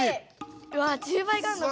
うわ１０倍があるのか。